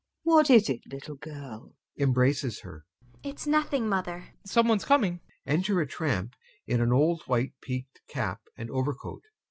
What is it, little girl? [Embraces her.] ANYA. It's nothing, mother. TROFIMOV. Some one's coming. [Enter a TRAMP in an old white peaked cap and overcoat.